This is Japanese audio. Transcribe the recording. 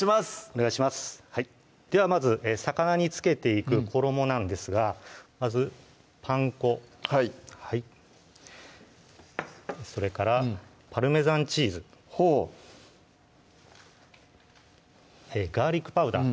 お願いしますではまず魚に付けていく衣なんですがまずパン粉はいそれからパルメザンチーズほうガーリックパウダー